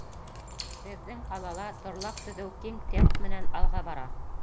Беҙҙең ҡалала торлаҡ төҙөү киң темп менән алға бара.